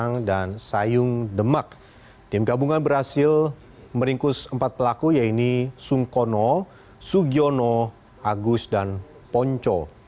tim gabungan berhasil meringkus empat pelaku yaitu sungkono sugiono agus dan ponco